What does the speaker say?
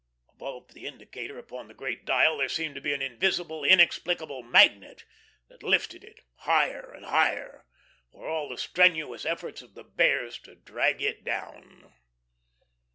Above the indicator upon the great dial there seemed to be an invisible, inexplicable magnet that lifted it higher and higher, for all the strenuous efforts of the Bears to drag it down.